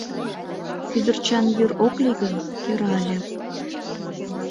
Кӱдырчан йӱр ок лий гын, йӧра ыле.